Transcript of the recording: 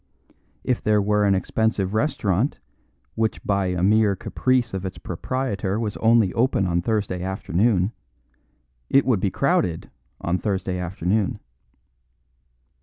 If there were an expensive restaurant which by a mere caprice of its proprietor was only open on Thursday afternoon, it would be crowded on Thursday afternoon.